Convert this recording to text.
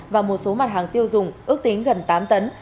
và một số mặt hàng tiêu dùng ước tính gần tám tấn